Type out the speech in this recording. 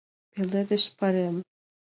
Пеледыш пайрем.